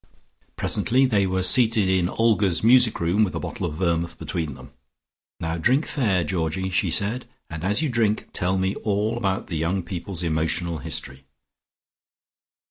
Presently they were seated in Olga's music room, with a bottle of vermouth between them. "Now drink fair, Georgie," she said, "and as you drink tell me all about the young people's emotional history."